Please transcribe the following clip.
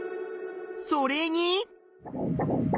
それに。